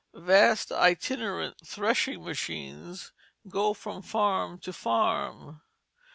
Vast itinerant threshing machines go from farm to farm.